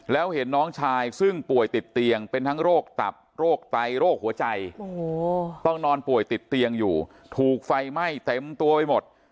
แล้วเห็นน้องชายซึ่งป่วยติดเตียงเป็นทั้งโรคตับโรคไตโรคหัวใจต้องนอนป่วยติดเตียงอยู่ถูกไฟไหม้เต็มตัวไปหมด